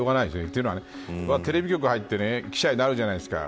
というのは、テレビ局に入って記者になるじゃないですか。